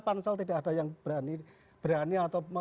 pansel tidak ada yang berani atau